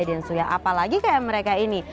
dan soya apalagi kayak mereka ini